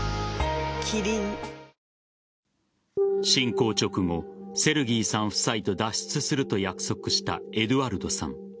侵攻直後セルギーさん夫妻と脱出すると約束したエドゥアルドさん。